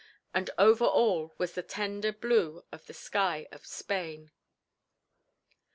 And over all was the tender blue of the sky of Spain.